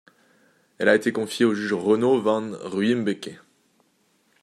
Elle a été confiée au juge Renaud Van Ruymbeke.